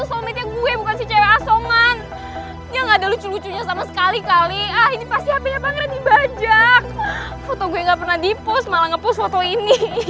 sumpah gue benci banget sama cewek asongan